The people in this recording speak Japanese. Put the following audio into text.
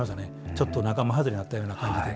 ちょっと仲間外れになったような感じで。